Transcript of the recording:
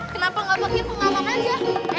kenapa gak bikin pengamaran aja